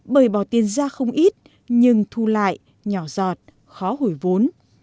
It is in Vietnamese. bởi bỏ tiền ra không ít nhưng thu lại nhỏ giọt khó hủy vốn